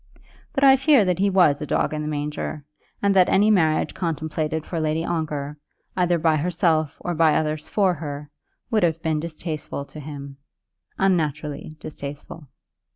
But I fear that he was a dog in the manger, and that any marriage contemplated for Lady Ongar, either by herself or by others for her, would have been distasteful to him, unnaturally distasteful.